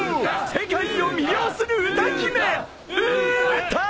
世界を魅了する歌姫ウタ！